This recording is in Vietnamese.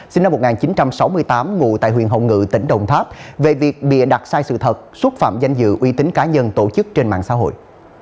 sinh năm một nghìn chín trăm sáu mươi tám ngụ tại huyện hồng ngự tỉnh đồng tháp về việc bịa đặt sai sự thật xúc phạm danh dự uy tín cá nhân tổ chức trên mạng xã hội